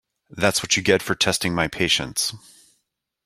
That’s what you get for testing my patience.